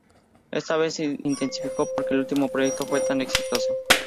Esta vez se intensificó porque el último proyecto fue tan exitoso".